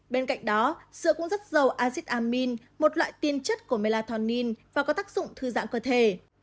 bên cạnh đó sữa cũng rất giàu acid amin một loại tiên chất của melatonin và có tác dụng thư dạng cơ thể